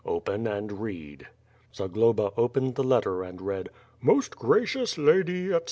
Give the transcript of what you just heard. Open and read." Zagloba opened the letter and read: "Most Gracious lady, etc.